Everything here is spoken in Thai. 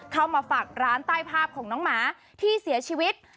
เข้ามาฝากร้านใต้ภาพของน้องหมาที่เสียชีวิต